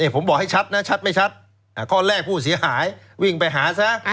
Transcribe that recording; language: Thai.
ผมบอกให้ชัดนะชัดไม่ชัดข้อแรกผู้เสียหายวิ่งไปหาซะ